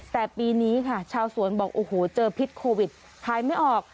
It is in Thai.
แต่ปีนี้ค่ะชาวสวนบอกโอ้โหเจอพิษโควิดขายไม่ออก